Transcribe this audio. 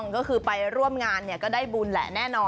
ก็คือไปร่วมงานเนี่ยก็ได้บุญแหละ